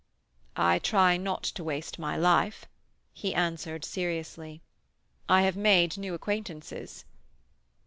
"I try not to waste my life," he answered seriously. "I have made new acquaintances."